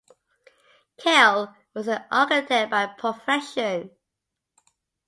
Kale was an architect by profession.